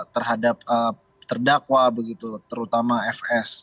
terhadap terdakwa begitu terutama fs